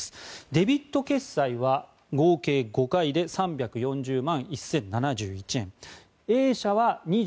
デビット決済は合計５回で３４０万１０７１円。